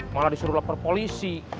malah disuruh lapor polisi